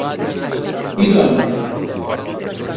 I doncs?